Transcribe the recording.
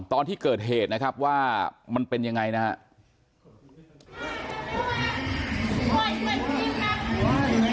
ตอนที่เกิดเหตุนะครับว่ามันเป็นยังไงนะครับ